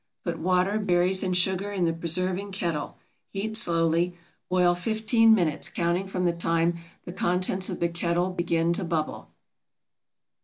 Put water, berries, and sugar in the preserving kettle; heat slowly. Boil fifteen minutes, counting from the time the contents of the kettle begin to bubble.